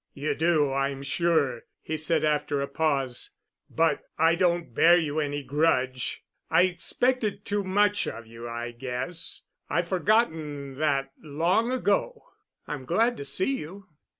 "You do, I'm sure," he said after a pause. "But I don't bear you any grudge. I expected too much of you, I guess. I've forgotten that long ago. I'm glad to see you."